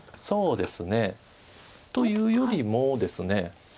そうですね。というよりもですね